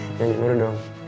jangan cemburu dong